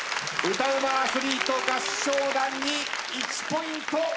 歌ウマアスリート合唱団に１ポイント届きません。